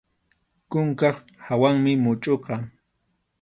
Kunkap hawanmi muchʼuqa.